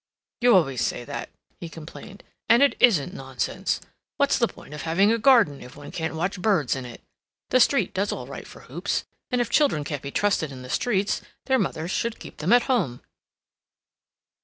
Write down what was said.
"You always say that," he complained; "and it isn't nonsense. What's the point of having a garden if one can't watch birds in it? The street does all right for hoops. And if children can't be trusted in the streets, their mothers should keep them at home."